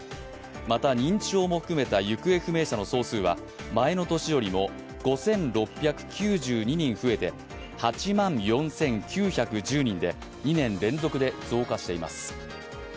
また認知症も含めた行方不明者の総数は前の年よりも５６９２人増えて８万４９１２人で２年連続で増加しています。